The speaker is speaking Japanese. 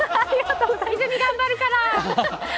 泉、頑張るから。